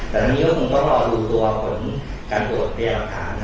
แต่ทีนี้ก็คงต้องรอดูทรัศน์การปวดได้ด้วย